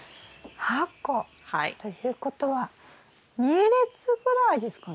８個。ということは２列ぐらいですかね？